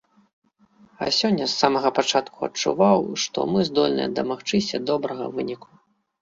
А сёння з самага пачатку адчуваў, што мы здольныя дамагчыся добрага выніку.